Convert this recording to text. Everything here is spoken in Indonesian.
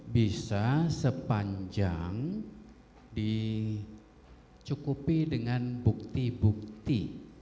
bisa sepanjang dicukupi dengan bukti bukti